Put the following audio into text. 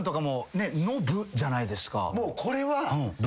もうこれは。